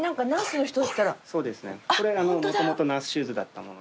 これもともとナースシューズだったもので。